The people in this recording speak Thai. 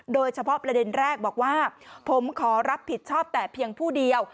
โดยเฉพาะประเด็นแรกบอกว่าผมขอรับผิดชอบแต่เพียงผู้เดียว